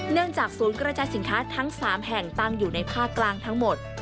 จากศูนย์กระจายสินค้าทั้ง๓แห่งตั้งอยู่ในภาคกลางทั้งหมด